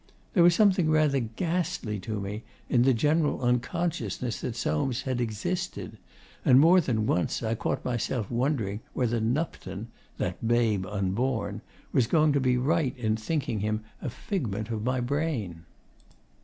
There was something rather ghastly to me in the general unconsciousness that Soames had existed, and more than once I caught myself wondering whether Nupton, that babe unborn, were going to be right in thinking him a figment of my brain.